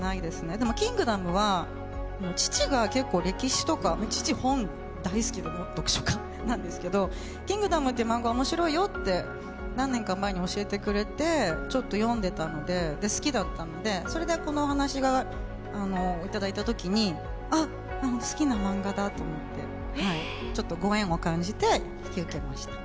でも「キングダム」は父が結構歴史とか、父は本が大好きで読書家なんですけど、「キングダム」っていう漫画が面白いよって何年か前に教えてくれてちょっと読んでたので、好きだったので、それでこの話をいただいたときに、あっ、好きな漫画だと思ってご縁を感じて引き受けました。